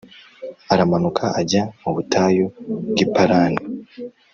aramanuka ajya mu butayu bw’i Parani.